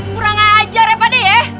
kurang ajar ya pak de ya